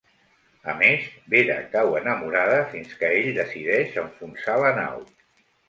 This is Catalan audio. A més, Vera cau enamorada, fins que ell decideix enfonsar la nau.